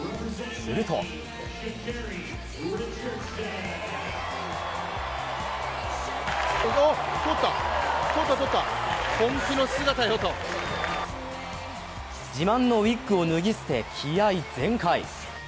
すると自慢のウィッグを脱ぎ捨て気合い全開。